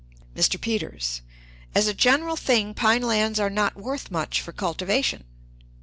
"Mr. Peters. As a general thing pine lands are not worth much for cultivation."